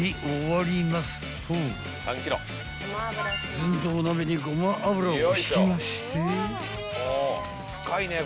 ［ずんどう鍋にごま油をひきまして］